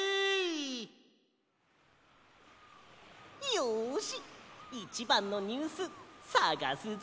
よしいちばんのニュースさがすぞ！